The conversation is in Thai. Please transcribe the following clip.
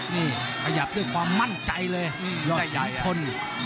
นี่ขยับด้วยความมั่นใจเลยรอมทุกคน